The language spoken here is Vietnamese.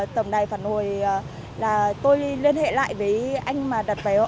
tổng đài phản hồi là tôi liên hệ lại với anh mà đặt vé